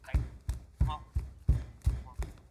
سياست ته بايد د ژوندي او خوځنده علم په سترګه وکتل سي.